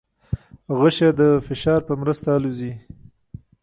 غشی د فشار په مرسته الوزي.